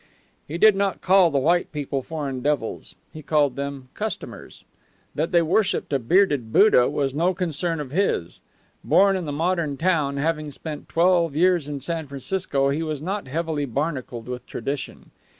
He did not call the white people foreign devils; he called them customers. That they worshipped a bearded Buddha was no concern of his. Born in the modern town, having spent twelve years in San Francisco, he was not heavily barnacled with tradition.